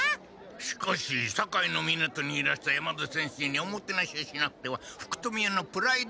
しかし堺の港にいらした山田先生におもてなしをしなくては福富屋のプライドが。